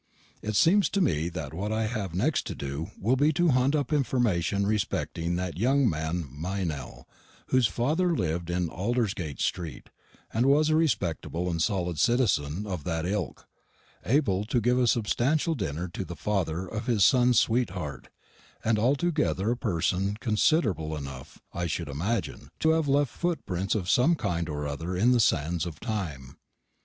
It seems to me that what I have next to do will be to hunt up information respecting that young man Meynell, whose father lived in Aldersgate Street, and was a respectable and solid citizen, of that ilk; able to give a substantial dinner to the father of his son's sweetheart, and altogether a person considerable enough, I should imagine, to have left footprints of some kind or other on the sands of Time.